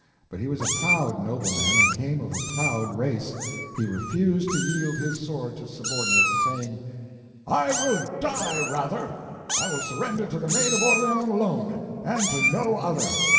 But he was a proud nobleman and came of a proud race. He refused to yield his sword to subordinates, saying: "I will die rather. I will surrender to the Maid of Orleans alone, and to no other."